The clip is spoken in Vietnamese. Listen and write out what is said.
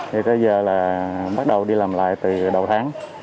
thì tới giờ là bắt đầu đi làm lại từ đầu tháng